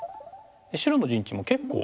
白の陣地も結構。